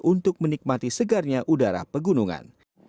untuk menikmati segarnya udara pegunungan